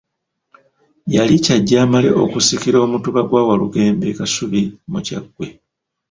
Yali kyajje amale okusikira Omutuba gwa Walugembe e Kasubi mu Kyaggwe.